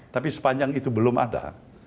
tapi sepanjang itu belum ada